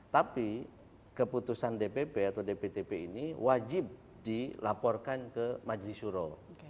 tapi keputusan dpp atau dptp ini wajib dilaporkan ke majelis syuro